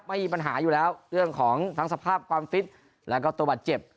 ไม่มีปัญหาอยู่แล้วเรื่องของทั้งสภาพความฟิตแล้วก็ตัวบัตรเจ็บ